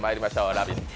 「ラヴィット！」